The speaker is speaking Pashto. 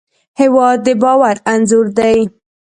هېواد د باور انځور دی.